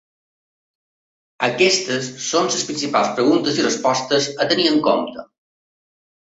Aquestes són les principals preguntes i respostes a tenir en compte.